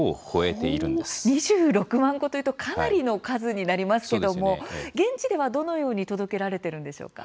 ２６万個というとかなりの数になりますけども現地ではどのように届けられてるんでしょうか？